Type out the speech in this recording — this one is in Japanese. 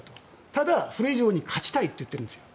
ただ、それ以上に勝ちたいと言ってるんですよ。